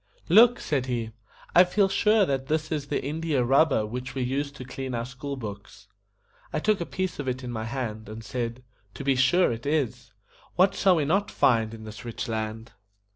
"Look," said he, "I feel sure that this is the IN DI A RUB BER which we used to clean our school books." I took a piece of it in my hand, and said, "To be sure it is. What shall we not find in this rich land?"